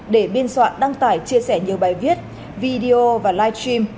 để biên soạn đăng tải chia sẻ nhiều bài viết video và live stream